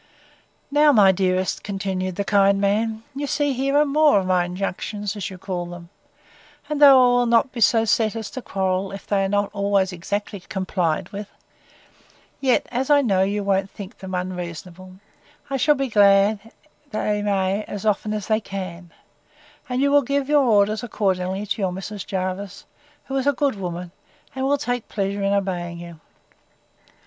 Now, my dearest, continued the kind man, you see here are more of my injunctions, as you call them; and though I will not be so set, as to quarrel, if they are not always exactly complied with; yet, as I know you won't think them unreasonable, I shall be glad they may, as often as they can; and you will give your orders accordingly to your Mrs. Jervis, who is a good woman, and will take pleasure in obeying you.